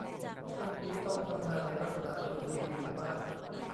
ช่วงนี้ต้องทำงานในลักษณะรูทีนอยู่มาก